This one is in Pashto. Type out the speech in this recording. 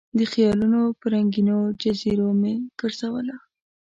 د خیالونو په رنګینو جزیرو مې ګرزوله